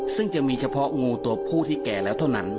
ซึ่งจะมีเฉพาะงูตัวผู้ที่แก่แล้วเท่านั้น